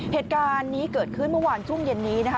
เหตุการณ์นี้เกิดขึ้นเมื่อวานช่วงเย็นนี้นะคะ